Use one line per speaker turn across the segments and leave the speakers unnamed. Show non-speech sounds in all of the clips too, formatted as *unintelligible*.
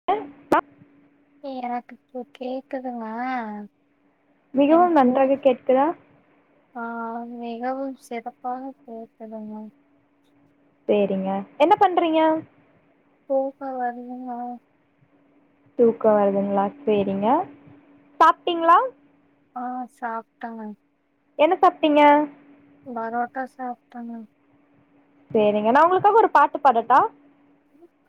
*unintelligible*
வேற எதாட்டு கேக்கனுமா
மிகவும்
எனக்கு போ
நன்றாக கேட்குதா
ஆ மிகவும் சிறப்பாக கேக்குதுங்க
சேரிங்க என்ன பண்றீங்க
தூக்கோ வருதுங்க
தூக்கோ வருதுங்ளா சேரிங்க சாப்டீங்ளா
ஆ சாப்ட்டேங்க
என்ன சாப்டீங்க
பாரோட்டா சாப்ட்ட மேம்
சேரிங்க நா உங்களுக்காக ஒரு பாட்டு பாடட்டா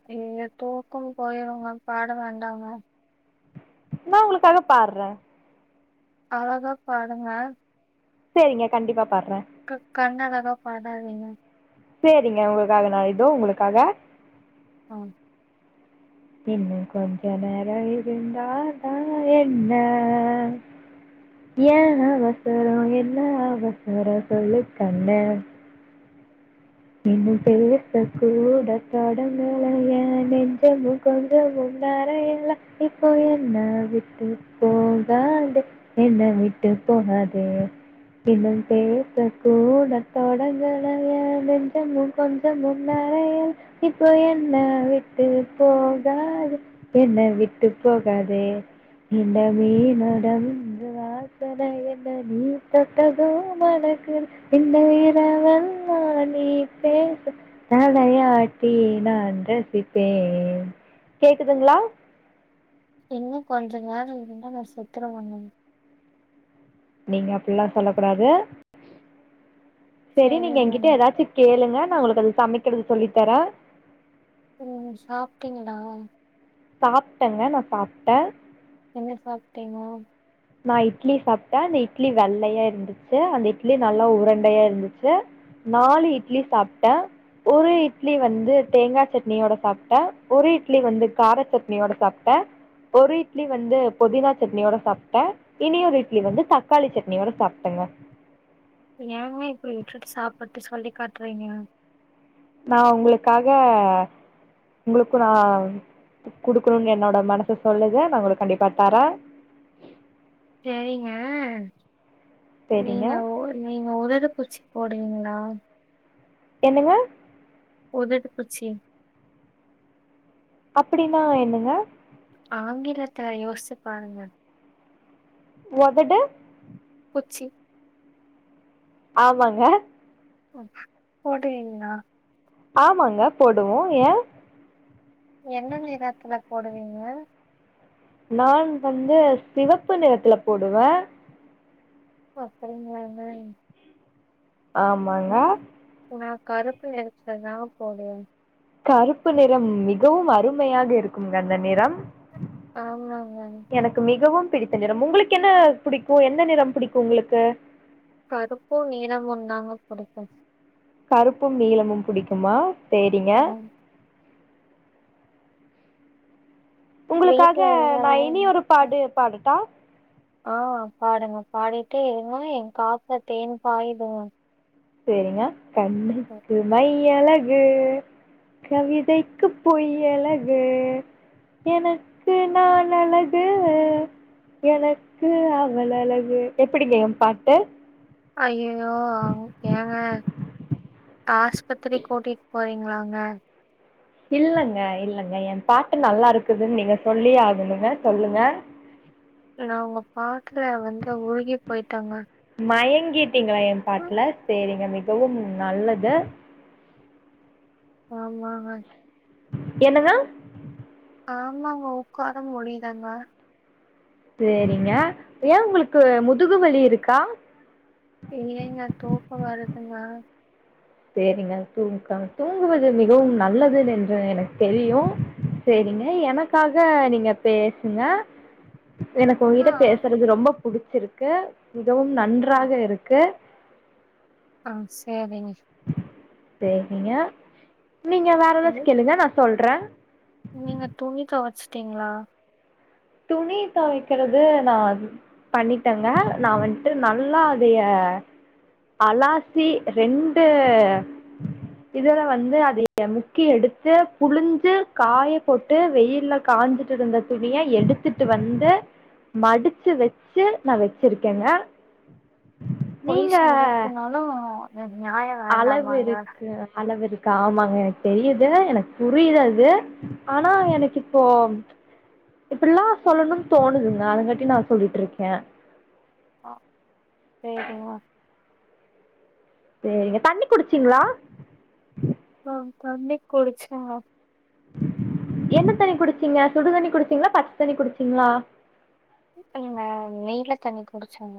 அய்யய்யோ தூக்கோ போயிருங்க மேம் பாட வேண்டா மேம்
நா உங்களுக்காக பாட்றே
அழகா பாடுங்க
சேரிங்க கண்டிபா பாட்றே
க கண்ணாலல்லா படாதீங்க
சேரிங்க உங்களுக்காக நா இதோ உங்களுக்காக
ஆ
இன்னு கொஞ்ச நேர இருந்தாதா என்ன ஏ அவசரோ என்ன அவசரோ சொல்லு கண்ணே இன்னு பேச கூட தொடங்கள எ நெஞ்சமு கொஞ்சமு நெறயல இப்போ என்ன விட்டு போகாத என்ன விட்டு போகதெ இன்னு பேச கூட‌ தொடங்கல எ நெஞ் சமு கொஞ்சமு நெனயல இப்ப என்ன விட்டு போகாத என்ன விட்டு போகாதே இந்த மீன் அடங்கு வாசன என்ன நீ தொட்டது மணக்குது இந்த இரவெல்லா ‌நீ பேச தலை ஆட்டி நா ரசிப்பே கேக்குதுங்களா
இன்னு கொஞ்ச நேர இருந்தா நா செத்துறவண்ண
நீங்க அப்பல்லா சொல்லக்கூடாது சேரி நீங்க
சரிங்க
என்கிட்ட ஏதாச்சு கேளுங்க நா உங்களுக்கு அது சமைக்கிறது சொல்லி தரே
ம் சாப்ட்டீங்களா
சாப்‌ட்டங்க நா சாப்ட்ட
என்ன சாப்டீங்க
நா இட்லி சாப்டே அந்த இட்லி வெள்ளையா இருந்துச்சு அந்த இட்லி நல்லா உரண்டையா இருந்துச்சு நாலு இட்லி சாப்டே ஒரு இட்லி வந்து தேங்கா சட்னியோட சாப்டே ஒரு இட்லி வந்து கார சட்னியோட சாப்டே ஒரு இட்லி வந்து போதினா சட்னியோட சாப் ட இனியொரு இட்லி வந்து தக்காளி சட்னியோட சாப்டேங்க
ஏங்க இப்டி வுட்டுட்டு சாப்ட்டுட்டு சொல்லி காட்றீங்க
நா உங்களுக்காக உங்களுக்கு நா டிப் குடுக்கணுன்னு என்னோட மனசு சொல்லுது நா உங்களுக்கு கண்டிப்பா தரே
செரிங்க *inaudible*
சேரிங்க
நீங்க ஒ நீங்க உதடு பூச்சி போடுவீங்களா
என்னங்க
உதடு புச்சி
அப்டின்னா என்னங்க
ஆங்கிலத்தல யோசிச்சு பாருங்க
ஒதடு
புச்சி
ஆமாங்க
*inaudible* போடுவீங்களா
ஆமாங்க போடுவோ ஏ
என்ன நிறத்துல போடுவீங்க
நா வந்து சிவப்பு நிறத்துல போடுவே
அப்டிங்களாங்க
ஆமாங்க
நா கருப்பு நிறத்துல தா போடுவே
கருப்பு நிறம் மிகவு அருமையாக இருக்குங்க அந்த நிறம்
ஆமாங்க
எனக்கு மிகவும் பிடித்த நிறம் உங்களுக்கு என்ன புடிக்கு எந்த நிறம் புடிக்கு உங்ளுக்கு
கருப்பு நீளமு தாங்க புடிக்கு
கருப்பும் நீளமும் புடிக்குமா சேரிங்க
ஆ
உங்குளுக்காக
வீட்ல
நா
எல்லாரும்
இனி ஒரு
ம்
பாடு பாடட்டா
ஆ பாடுங்க பாடிட்டு இருமா ஏ காத்ல தேன் பாயுதுங்க
சேரிங்க கண்ணுக்கு மை அழகு கவிதைக்கு பொய் அழகு எனக்கு நான் அழகு எனக்கு அவள் அழகு எப்புடிங்க ஏ பாட்டு
ஐயயோ ஆவு ஏங்க ஆஸ்பத்துரி கூட்டிட் போறீங்ளாங்க
இல்லங்க இல்லங்க ஏ பாட்டு நல்லாருக்குதுன் நீங்க சொல்லியே ஆகணுங்க சொல்லுங்க
இ உங்க பாட்ல வந்து உருகி போயிட்டங்க
மயங்கட்டிங்களா ஏ பாட்ல சேரிங்க மிகவும் நல்லது
ஆமாங்க
என்னதா
ஆமாங்க உக்கார முடிய்லங்க
சேரிங்க ஏ உங்களுக்கு முதுகு வலி இருக்கா
இல்லைங்க தூக்க வருதுங்க
சேரிங்க தூங்கம் தூங்குவது மிகவும் நல்லதுன் என்று எனக் தெரியு சேரிங்க எனக்காக நீங்க பேசுங்க எனக்கு
ஆ
ஒங்கிட்ட பேசுறது ரொம்ப புடிச்சிருக்கு மிகவும் நன்றாக இருக்கு
அ சேரிங்க
பேபிங்க நீங்க வேற
சொல்லு.
எதாச்சு கேளுங்க நா சொல்ற
நீங்க துணி தொவச்ட்டீங்ளா
துணி தொவைக்கிறது நா பண்ணிட்டங்க நா வந்துட்டு நல்லா அதைய அலாசி ரெண்டு இதுல வந்து அதைய முக்கி எடுத்து புளுஞ்சு காய போட்டு வெயில்ல காஞ்சுட்டுருந்த துணிய எடுத் துட்டு வந்து மடுச்சு வெச்சு நா வெச்சிருக்கேங்க
பொய் சொல்றதுனாலு நியாயோ
அளவு
வேண்டாமாங்க
இருக்கு அளவு இருக்கு ஆமாங்க எனக்கு தெரியுது எனக் புரியுது அது ஆனா எனக் இப்போ இப்புட்லா சொல்லணுன் தோணுதுங்க அதுங்காட்டி நா சொல்லிட்ருக்கே
சேரிங்க
சேரிங்க தண்ணி குடிச்சிங்ளா
அ தண்ணி குடிச்சங்க
என்ன தண்ணி குடிச்சீங்க சுடு தண்ணி குடிச்சீங்ளா பச்ச தண்ணி குடிச்சீங்ளா
இல்லிங்க நீல தண்ணி குடிச்சங்க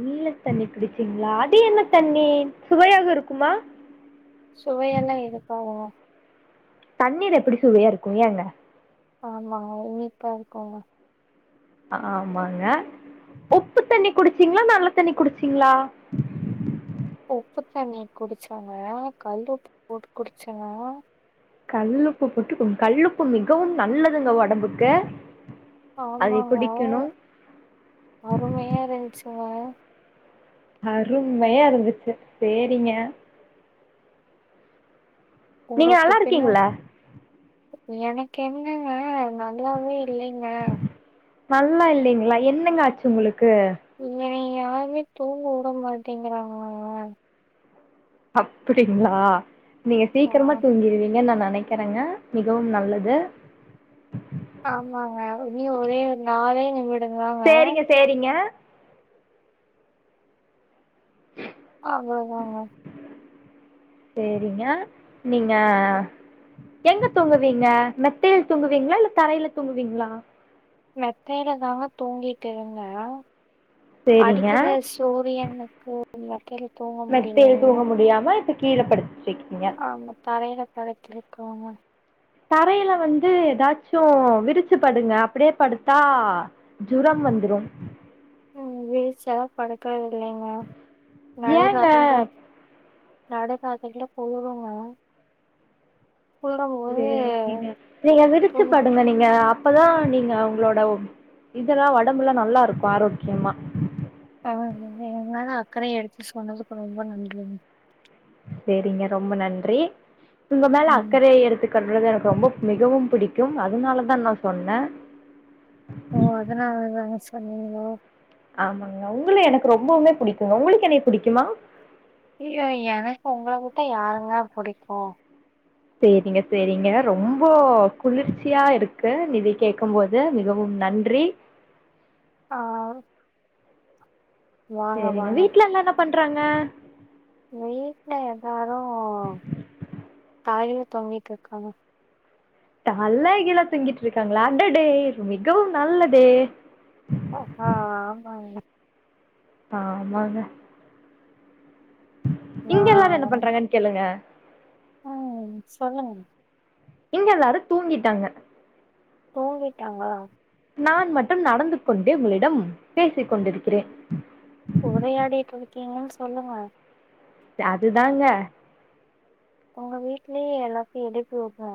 நீல தண்ணி குடிச்சீங்ளா அது என்ன தண்ணி சுவையாக இருக்குமா
சுவையால்லா இருக்காதுங்க
தண்ணீர் எப்புடி சுவையா இருக்கு ஏங்க
ஆமாங்க இனிப்பா இருக்குங்க
ஆமாங்க உப்பு தண்ணி குடிச்சீங்களா நல்ல தண்ணி குடிச்சிங்களா
உப்பு தண்ணி குடிச்சேங்க கல்லு உப்பு போட்டு குடிச்சங்க
கல்லுப்பு போட்டு கல்லுப்பு மிகவும் நல்லதுங்க ஒடம்புக்கு அதை
ஆமாங்க
குடிக்கணு
அருமையா இருந்துச்சுங்க
அருமையா இருந்துச்சு செரிங்க நீங்க நல்லா
உங்களுக்குப்பின்ன
இருக்கீங்களா
எனக்கு என்னங்க நல்லாவே இல்லைங்க
நல்லா இல்லைங்களா என்னங்க ஆச்சு உங்களுக்கு
இல்ல யாருமே தூங்க உட மாட்டேங்கிறாங்களங்க
அப்டிங்களா நீங்க
ஆ
சீக்கிரமா தூங்கிருவீங்கன்னு நா நினைக் கக்கறங்க மிகவும் நல்லது
ஆமாங்க இ ஒரே ஒரு நாளே நிமிட
சேரிங்க சேரிங்க
ஆ ங்கங்க
சேரிங்க நீங்க எங்க தூங்குவீங்க மெத்தையில தூங்குவீங்களா இல்ல தரையில தூங்குவீங்களா
மெத்தையில தாங்க தூங்கிட்டு இருந்தே
சேரிங்க
அடிக்கிற போவியா என்னனு கேளுங்க கேளு
மெத்தையில தூங்க முடியாம இப்ப கீழப்படுத்து
ஆமா தரையில படுத்து இருக்கோங்க
தரையில வந்து ஏதாச்சு விரிச்சு படுங்க அப்டியே படுத்தா ஜூரம் வந்துரும்
ம் வீரிச்சில்லா படுக்கரது இல்லைங்க நடு
ஏங்க
ராத்திரி நடு ராத்திரில குளுருங்க சொல்லும்
ஒரே
போது
சீனு நீங்க விரிச்சு
தோழி
படுங்க நீங்க ங்க அப்பதா நீங்க உங்களோட இதெல்லா ஒடம்பலா நல்லா இருக்கு ஆரோக்கியமா
ஆ எங்களால அக்கர எடுத்து சொன்னதுக்கு ரொம்ப நன்றிங்க
சேரிங்க ரொம்ப நன்றி உங்க மேல
ம்
அக்கறைய எடுத்துக் கறது எனக்கு ரொம்ப மிகவும் பிடிக்கும் அதனால தா நா சொன்னே
ஓ அதனால தாங்க சொன்னிங்களோ
ஆமாங்க உங்கள எனக்கு ரொம்பவுமே பிடிக்குங்க உங்களுக்கு என்னைய புடிக்குமா
ஐயோ எனக்கு உங்கள உட்டாயாரங்க புடிக்கு
சேரிங்க சேரிங்க ரொம்ப குளிர்ச்சியா இருக்கு இத கேட்கும்போது க மிகவும் நன்றி
ஆ வாங்க
சேரிங்க
வாங்க
வீட்ல எல்லா என்ன பண்றாங்க
வீட்ல எல்லாரு தலகில தொங்கிட்டு இருக்காங்க
தலகீழா தொங்கிக்கிட்டு இருக்காங்களா அடடே மிகவும் நல்லது
ஆ ஆமாங்க
ஆமாங்க
ஆ
இங்க எல்லாரு என்ன
ஆமாங்க.
பண்றாங்கன்னு கேளுங்க
ம் சொல்லுங்க
இங்க எல்லாரு தூங்கிட்டாங்க
தூங்கிட்டாங்களா
நான் மட்டும் நடந்து கொண்டே உங்களிடம் பேசிக் கொண்டிருக்கிறேன்
உரையாடிட்டு இருக்கீங்கனு சொல்லுங்க
அதுதாங்க
ஒங்க வீட்லயே எல்லாத்தையு எடுத்து வப்போ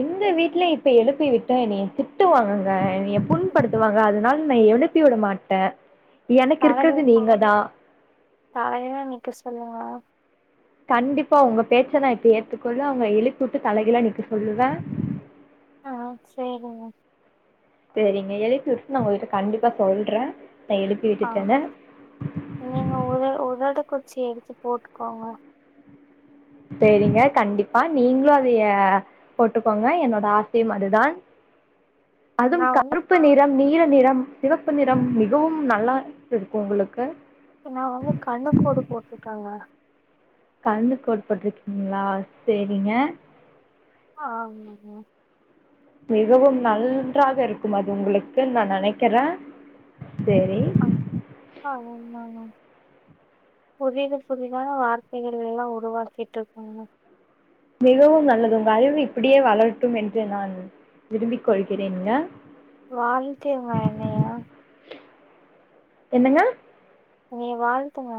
எங்க வீட்ல இப்ப எழுப்பி விட்டா என்னய திட்டுவாங்கங்க என்னய புண்படுத்துவாங்க அதுனால நா எழுப்பி விட மாட்டே எனக்கு இருக்குற்து நீங்க தா
ஹாயா நிக்க சொல்லவா
கண்டிப்பா உங்க பேச்ச நா இப்ப ஏத்துக்கொள்றே அவுங்கள எழுப்பிவுட்டு தலகிழ நிக்க சொல்லுவே
ஆ சேரிங்க
சேரிங்க எழுப்பி விட்டுட்டு நா உங்ககிட்ட கண்டிப்பா சொல்றே நா எழுப்பி
ஆ
விட்டுட்டேனு
நீங்க *unintelligible* போட்டுக்கோங்க
சேரிங்க கண்டிப்பா நீங்ளு அதய போட்டுக்கோங்க என்னோட ஆசையும் அதுதான் அதுவு
நா வந்து
கருப்பு
க
நிற நிறம் நீல நிளம் சிவப்பு நிறம் மிகவும் நல்லா இருக்கு உங்களுக்கு
என்னா அவுங்க கண்ணுக்கோடு போட்ருக்காங்க
கணுக்கோடு போட்ருக்கீங்களா சேரிங்க
ஆமாங்க
மிகவும் நன்றாக இருக்கும் அது உங்களுக்கு நா நெனக்கிறே சேரி
*unintelligible* புதிது புதிதான வார்த்தைகள் எல்லா உருவாக்கிட்டு இருக்கோங்க
மிகவும் நல்லது உங்க அறிவு இப்புடியே வளரட்டும் என்று நான் விரும்பிக் கொள்கிறேன்க
வாழ்த்துங்க எனைய
என்னங்க
என்னய வாழ்த்துங்க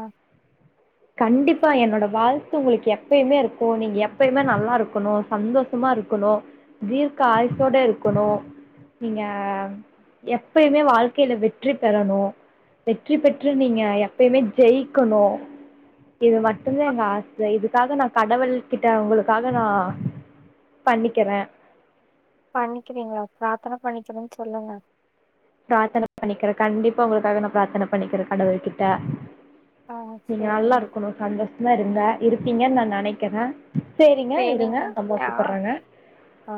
கண்டிப்பா என்னோட வாழ்த்து உங்களுக்கு எப்பயுமே இருக்கு நீங்க எப்பயுமே நல்லா இருக்கணு சந்தோ சமா இருக்கணு தீர்க்க ஆய்சோட இருக்கணு நீங்க எப்பயுமே வாழ்க்கைல வெற்றி பெறணு வெற்றி பெற்று நீங்க எப்பயுமே ஜெயிக்கணு இது மட்டுந்தா
அ
எங்க ஆசை இது க்காக நா கடவள் கிட்ட உங்களுக்காக நா பண்ணிக்கறே
பண்ணிக்கிறீங்களா பிராத்தன பண்ணிக்கிறேன் சொல்லுங்க
பிராத்தன பண்ணிக்கிறே கண்டிப்பா உங்களுக்காக நா பிரார்த்தன பண்ணிக்கிறே கடவுள் கிட்ட
ஆ
நீங்க நல்லா
சேரிங்க
இருக்கணு சந்தோஷமா இருங்க இருப்பீங்கன்னு நா நெனக்கிறே சேரிங்க இருங்க அம்மா கூப்பட்றாங்க
ஆ